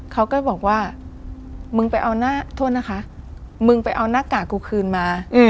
เขาก็บอกว่ามึงไปเอาหน้ากากกูคืนมา